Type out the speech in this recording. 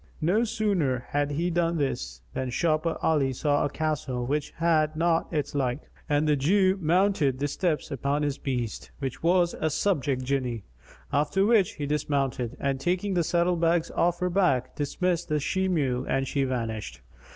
No sooner had he done this than sharper Ali saw a castle which had not its like, and the Jew mounted the steps upon his beast which was a subject Jinni; after which he dismounted and taking the saddle bags off her back, dismissed the she mule and she vanished.